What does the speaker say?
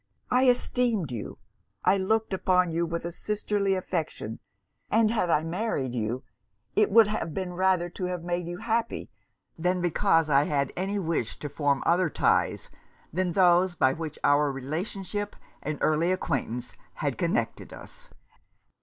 I esteemed you; I looked upon you with a sisterly affection; and had I married you, it would have been rather to have made you happy, than because I had any wish to form other ties than those by which our relationship and early acquaintance had connected us.'